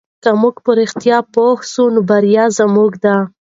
که موږ په رښتیا پوه سو نو بریا زموږ ده.